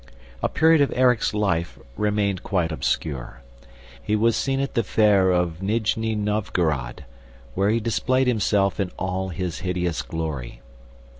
A period of Erik's life remained quite obscure. He was seen at the fair of Nijni Novgorod, where he displayed himself in all his hideous glory.